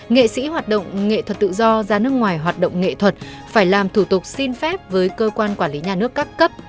nghệ sĩ hoạt động nghệ thuật tự do ra nước ngoài hoạt động nghệ thuật phải làm thủ tục xin phép với cơ quan quản lý nhà nước các cấp